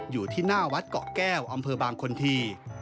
อยู่ที่หน้าวัดเกาะแก้วอำเภอบางคนที